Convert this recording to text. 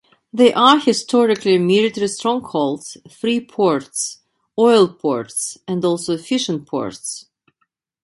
They are historically military strongholds, free ports, oil ports, and also fishing ports.